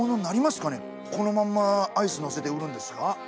このまんまアイスのせて売るんですか？